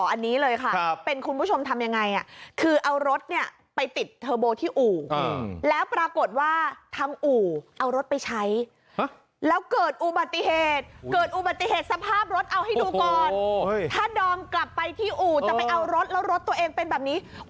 อันนี้เลยค่ะเป็นคุณผู้ชมทำยังไงคือเอารถเนี่ยไปติดเทอร์โบที่อู่แล้วปรากฏว่าทางอู่เอารถไปใช้แล้วเกิดอุบัติเหตุเกิดอุบัติเหตุสภาพรถเอาให้ดูก่อนถ้าดอมกลับไปที่อู่จะไปเอารถแล้วรถตัวเองเป็นแบบนี้